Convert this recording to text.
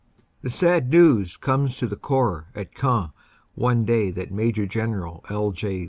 * The sad news comes to the Corps at Queant one day that Major General L. J.